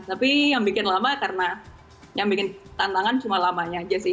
tapi yang bikin lama karena yang bikin tantangan cuma lamanya aja sih